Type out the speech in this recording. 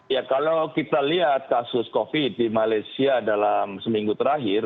ya kalau kita lihat kasus covid di malaysia dalam seminggu terakhir